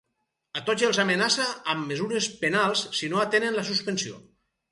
A tots els amenaça amb mesures ‘penals’ si no atenen la suspensió.